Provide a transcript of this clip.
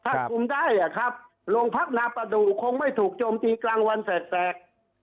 ถ้าคุมได้อ่ะครับโรงพักนาประดูกคงไม่ถูกโจมตีกลางวันแสก